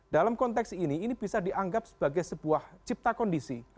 dalam konteks ini ini bisa dianggap sebagai sebuah cipta kondisi